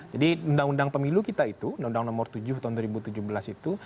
jadi undang undang pemilu kita itu undang undang nomor tujuh tahun dua ribu tujuh belas itu